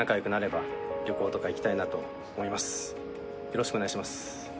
よろしくお願いします。